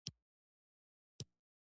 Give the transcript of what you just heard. د پنځه جملې کره کتنه باید وشي.